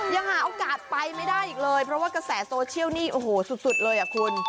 ยังหาโอกาสไปไม่ได้อีกเลยเพราะว่ากระแสโซเชียลนี่โอ้โหสุดเลยอ่ะคุณ